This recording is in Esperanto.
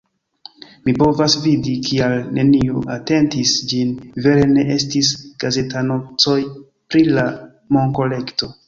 Mi povas vidi kial neniu atentis ĝin vere, ne estis gazetanoncoj pri la monkolekto